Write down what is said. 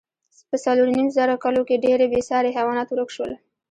په څلورو نیم زره کلو کې ډېری بېساري حیوانات ورک شول.